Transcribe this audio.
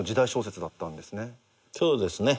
そうですね。